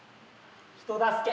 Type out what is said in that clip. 人助け。